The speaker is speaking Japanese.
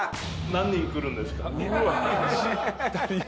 何人来るんですか？